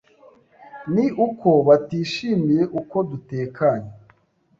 ni uko batishimiye uko dutekanye,